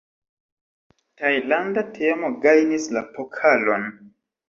Tajlanda teamo gajnis la pokalon.